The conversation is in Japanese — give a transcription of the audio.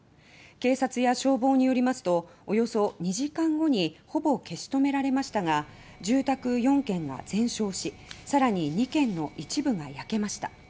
警察や消防によりますとおよそ２時間後にほぼ消し止められましたが住宅４軒が全焼しさらに２軒の一部が焼けました。